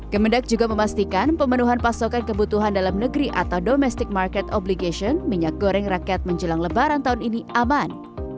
kemendak juga memastikan pemenuhan pasokan kebutuhan dalam negeri atau domestic market obligation minyak goreng rakyat menjelang lebaran tahun ini aman